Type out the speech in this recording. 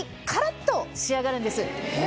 え？